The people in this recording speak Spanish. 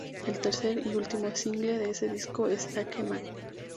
El tercer y último single de este disco es "Take Me".